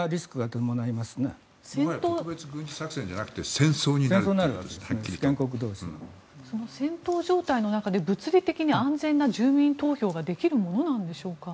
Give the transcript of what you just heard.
特別軍事作戦じゃなくてその戦闘状態の中で物理的に安全な住民投票ができるものなのでしょうか。